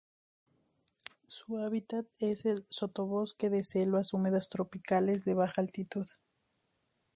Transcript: Su hábitat es el sotobosque de selvas húmedas tropicales de baja altitud.